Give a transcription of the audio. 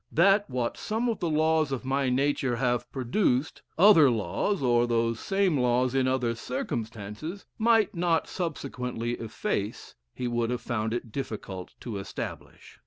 That what some of the laws of my nature have produced, other laws, or those same laws in other circumstances, might not subsequently efface, he would have found it difficult to establish."